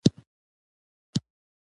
غلط ذهنیت به ورکړي.